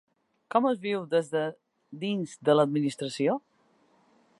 Com es viu des de dins de l’administració?